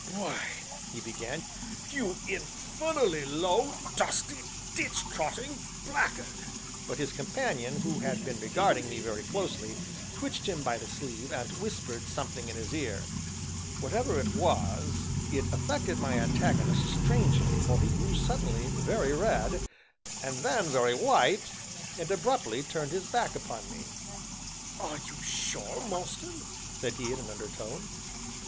"Why," he began, "you infernally low, dusty, ditch trotting blackguard " But his companion, who had been regarding me very closely, twitched him by the sleeve, and whispered something in his ear. Whatever it was it affected my antagonist strangely, for he grew suddenly very red, and then very white, and abruptly turned his back upon me. "Are you sure, Mostyn?" said he in an undertone.